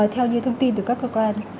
theo như thông tin từ các cơ quan